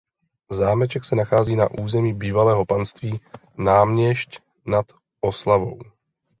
Zámeček se nachází na území bývalého panství Náměšť nad Oslavou.